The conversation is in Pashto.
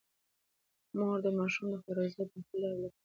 مور د ماشومانو د خوارځواکۍ د مخنیوي لارې لټوي.